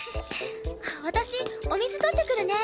私お水取ってくるね。